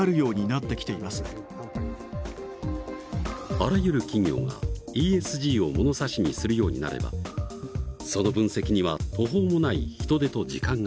あらゆる企業がＥＳＧを物差しにするようになればその分析には途方もない人手と時間がかかる。